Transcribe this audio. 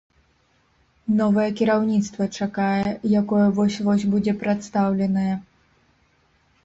Новае кіраўніцтва чакае, якое вось-вось будзе прадстаўленае.